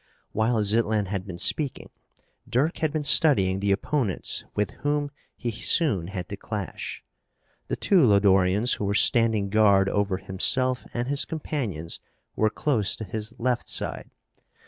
While Zitlan had been speaking, Dirk had been studying the opponents with whom he soon had to clash. The two Lodorians who were standing guard over himself and his companions were close to his left side.